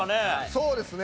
そうですね。